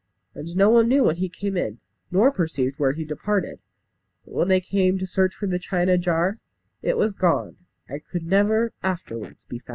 And no one knew when he came in, nor perceived when he departed. But when they came to search for the china jar, it was gone, and could never afterwards be foun